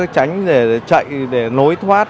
tránh để chạy để lối thoát